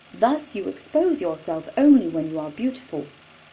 Thus you expose yourself only when you are beautiful.